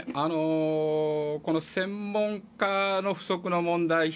この専門家の不足の問題